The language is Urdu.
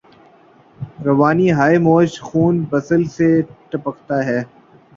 روانی ہاۓ موج خون بسمل سے ٹپکتا ہے